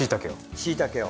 しいたけを。